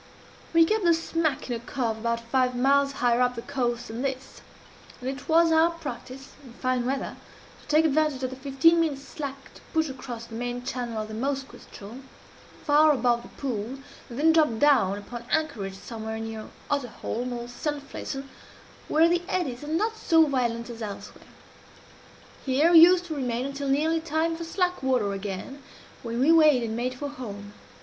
"We kept the smack in a cove about five miles higher up the coast than this; and it was our practice, in fine weather, to take advantage of the fifteen minutes' slack to push across the main channel of the Moskoe ström, far above the pool, and then drop down upon anchorage somewhere near Otterholm, or Sandflesen, where the eddies are not so violent as elsewhere. Here we used to remain until nearly time for slack water again, when we weighed and made for home.